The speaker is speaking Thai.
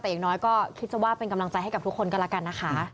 แต่อย่างน้อยก็คิดจะว่าเป็นกำลังใจให้กับทุกคนก็แล้วกันนะคะ